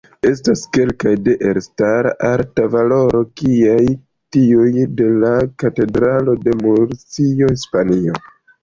Estas kelkaj de elstara arta valoro, kiaj tiuj de la katedralo de Murcio, Hispanio.